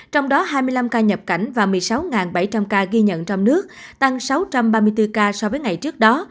trong đó hai mươi năm ca nhập cảnh và một mươi sáu bảy trăm linh ca ghi nhận trong nước tăng sáu trăm ba mươi bốn ca so với ngày trước đó